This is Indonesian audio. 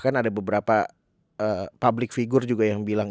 kan ada beberapa public figure juga yang bilang